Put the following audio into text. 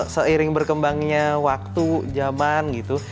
seiring berkembangnya waktu zaman gitu